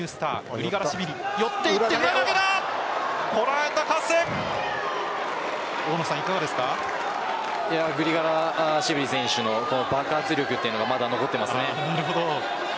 グリガラシビリ選手の爆発力がまだ残っていますね。